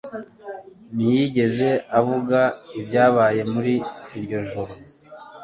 ntiyigeze avuga ibyabaye muri iryo joro.